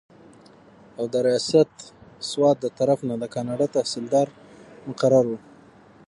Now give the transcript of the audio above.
او د رياست سوات دطرف نه د کاڼا تحصيلدار مقرر وو